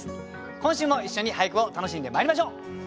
今週も一緒に俳句を楽しんでまいりましょう。